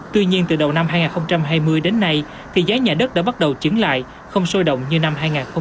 tuy nhiên từ đầu năm hai nghìn hai mươi đến nay thì giá nhà đất đã bắt đầu trứng lại không sôi động như năm hai nghìn hai mươi